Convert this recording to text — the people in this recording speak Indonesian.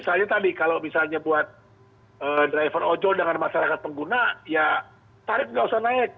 misalnya tadi kalau misalnya buat driver ojol dengan masyarakat pengguna ya tarif nggak usah naik